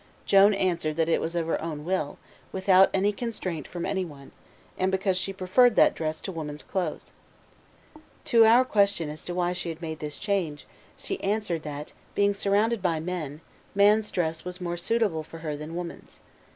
Joan answered that it was of her own will, without any constraint from any one, and because she preferred that dress to woman's clothes. To our question as to why she had made this change, she answered, that, being surrounded by men, man's dress was more suitable for her than woman's.